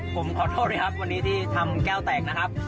ผมขอโทษนะครับวันนี้ที่ทำแก้วแตกนะครับ